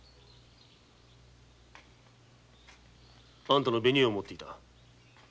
あんたの紅絵を持っていた。